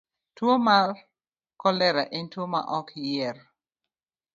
Tuwo mar kolera en tuwo maok yier.